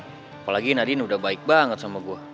apalagi nadine udah baik banget sama gue